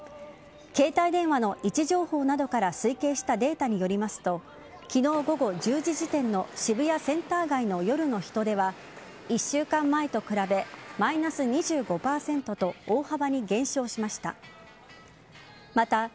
携帯電話の位置情報などから推計したデータによりますと昨日午後１０時時点の渋谷センター街の夜の人出は１週間前と比べマイナス２５％と大幅に減少しました。